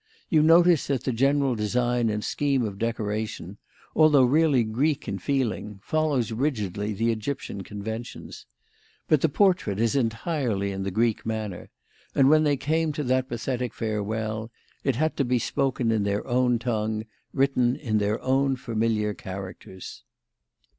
You notice that the general design and scheme of decoration, although really Greek in feeling, follows rigidly the Egyptian conventions. But the portrait is entirely in the Greek manner, and when they came to that pathetic farewell, it had to be spoken in their own tongue, written in their own familiar characters."